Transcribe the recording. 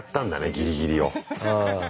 ギリギリを。